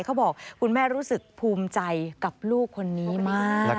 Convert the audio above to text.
คุณแม่รู้สึกภูมิใจกับลูกคนนี้มาก